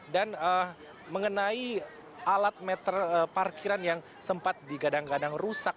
dan mengenai alat meter parkiran yang sempat digadang gadang rusak